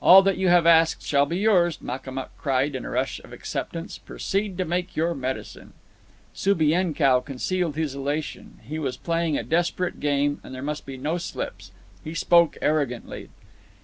"All that you have asked shall be yours," Makamuk cried in a rush of acceptance. "Proceed to make your medicine." Subienkow concealed his elation. He was playing a desperate game, and there must be no slips. He spoke arrogantly.